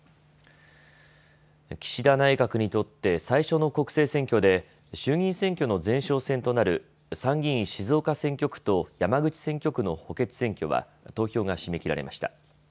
岸田内閣にとって最初の国政選挙で衆議院選挙の前哨戦となる参議院静岡選挙区と山口選挙区の補欠選挙は投票が締め切られました。